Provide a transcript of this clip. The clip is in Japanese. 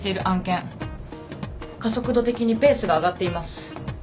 加速度的にペースが上がっています。